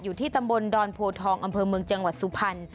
อยู่ที่ตำบลดอนโพทองอำเภอเมืองจังหวัดสุพรรณ